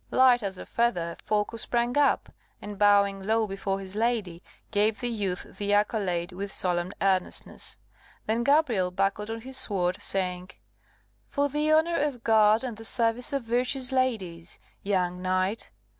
Light as a feather, Folko sprang up, and bowing low before his lady, gave the youth the accolade with solemn earnestness. Then Gabrielle buckled on his sword, saying, "For the honour of God and the service of virtuous ladies, young knight.